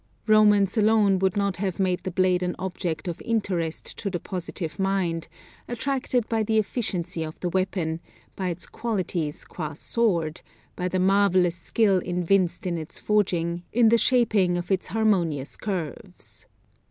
Romance alone would not have made the blade an object of interest to the positive mind, attracted by the efficiency of the weapon, by its qualities qua sword, by the marvellous skill evinced in its forging, in the shaping of its harmonious curves.